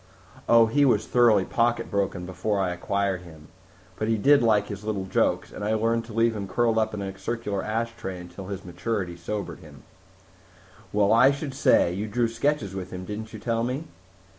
"Oh, he was thoroughly pocket broken before I acquired him. But he did like his little jokes, and I learned to leave him curled up in a circular ashtray until maturity sobered him." "Well, I should say! You drew sketches with him, didn't you tell me?"